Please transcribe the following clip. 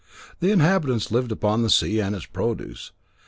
The inhabitants lived upon the sea and its produce.